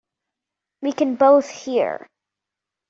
We can both hear.